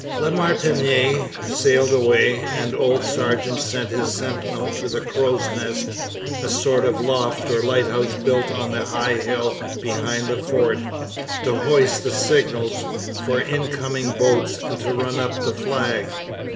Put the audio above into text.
La Martinière sailed away, and old Sargeant sent his sentinel to the crow's nest a sort of loft or lighthouse built on a high hill behind the fort to hoist the signals for incoming boats and to run up the flag.